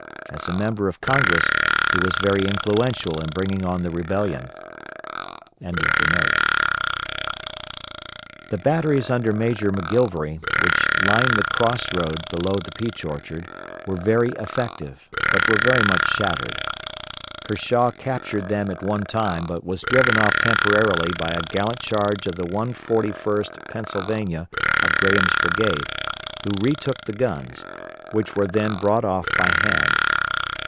As a member of Congress he was very influential in bringing on the Rebellion.] The batteries under Major McGilvery, which lined the cross road below the Peach Orchard, were very effective, but were very much shattered. Kershaw captured them at one time but was driven off temporarily by a gallant charge of the 141st Pennsylvania of Graham's brigade, who retook the guns, which were then brought off by hand.